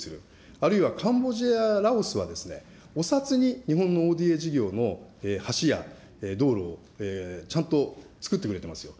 あるいはカンボジアやラオスでは、お札に日本のＯＤＡ事業の橋や道路をちゃんと作ってくれてますよ。